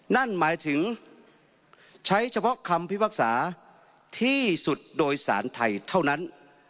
นั่นหมายถึงใช้เฉพาะคำพิพากษาที่สุดโดยสารไทยเท่านั้น